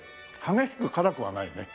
激しく辛くはないね。